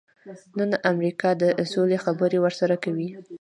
نن امریکا د سولې خبرې ورسره کوي.